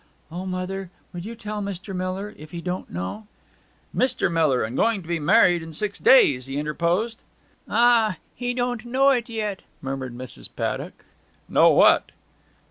'O mother, would you tell Mr. Miller, if he don't know?' 'Mister Miller! and going to be married in six days!' he interposed. 'Ah he don't know it yet!' murmured Mrs. Paddock. 'Know what?'